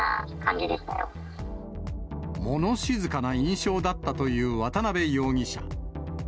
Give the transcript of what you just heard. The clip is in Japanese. もの静かな印象だったという、渡辺容疑者。